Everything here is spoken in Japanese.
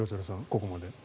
ここまでで。